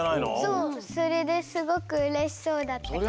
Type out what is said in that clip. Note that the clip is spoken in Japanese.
そうそれですごくうれしそうだったから。